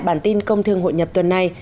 bản tin công thường hội nhập tuần này